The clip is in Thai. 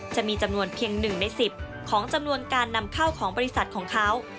จะมีจำนวนเพียง๑ใน๑๐ของจำนวนการนำเข้าของบริษัทของเขา